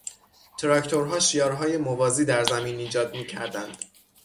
تراکتورها شیارهای موازی در زمین ایجاد میکردند.